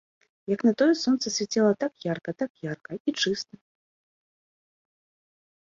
Як на тое, сонца свяціла так ярка, так ярка і чыста.